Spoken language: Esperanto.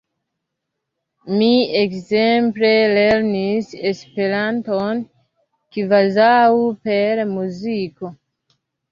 Mi ekzemple lernis Esperanton kvazaŭ per muziko.